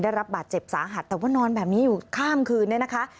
ได้รับบาดเจ็บสาหัสแต่ว่านอนแบบนี้อยู่ข้ามคืน